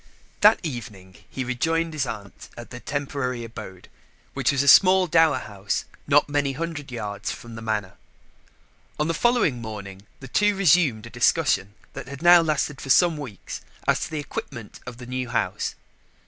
That evening he rejoined his aunt at their temporary abode, which was a small dower house not many hundred yards from the Manor. On the following morning the two resumed a discussion that had now lasted for some weeks as to the equipment of the new house.